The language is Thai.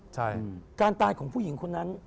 ตัวตายของผู้หญิงคนนั้น